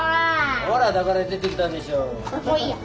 ほらだから出てきたでしょう。